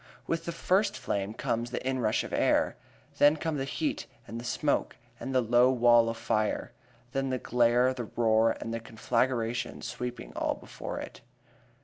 With the first flame comes the inrush of air; then come the heat and the smoke and the low wall of fire; then the glare, the roar and the conflagration sweeping all before it.